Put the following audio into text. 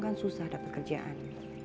kan susah dapet kerjaan